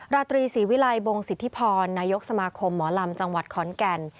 ราตรีศรีวิลัยบงสิทธิพรนายกสมาคมหมอลำจังหวัดขอนแก่น